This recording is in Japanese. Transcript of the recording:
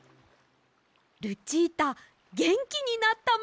ルチータげんきになったみたいです。